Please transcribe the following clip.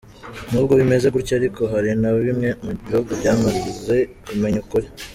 N’ubwo bimeze gutyo ariko hari na bimwe mu bihugu byamaze kumenya ukuri.